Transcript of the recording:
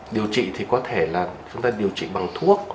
điều trị thì có thể là chúng ta điều trị bằng thuốc